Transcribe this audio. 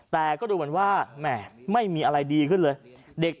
แต่ก็ดูเหมือนว่าแหมไม่มีอะไรดีขึ้นเลย